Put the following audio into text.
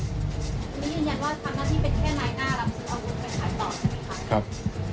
ไม่ตราบ